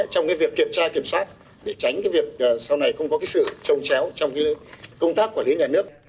trong việc kiểm tra kiểm soát để tránh cái việc sau này không có sự trông chéo trong công tác quản lý nhà nước